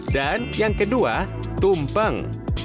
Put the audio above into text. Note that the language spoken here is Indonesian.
dan yang kedua tumpeng